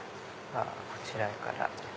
こちらから。